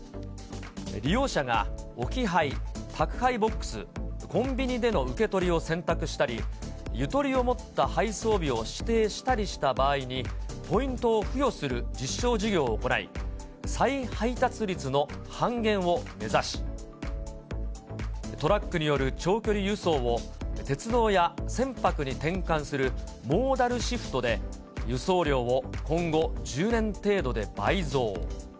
利用者が置き配、宅配ボックス、コンビニでの受け取りを選択したり、ゆとりを持った配送日を指定したりした場合に、ポイントを付与する実証事業を行い、再配達率の半減を目指し、トラックによる長距離輸送を鉄道や船舶に転換するモーダルシフトで、輸送量を今後１０年程度で倍増。